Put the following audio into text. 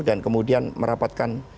dan kemudian merapatkan